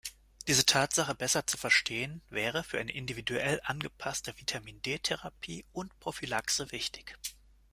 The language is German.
Diese Tatsache besser zu verstehen, wäre für eine individuell angepasste Vitamin-D-Therapie und -Prophylaxe wichtig.